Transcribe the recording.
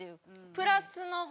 プラスの方。